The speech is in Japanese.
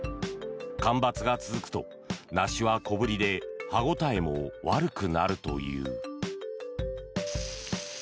干ばつが続くと梨は小ぶりで歯応えも悪くなるという。